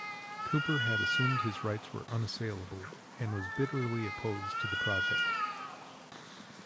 Cooper had assumed his rights were unassailable and was bitterly opposed to the project.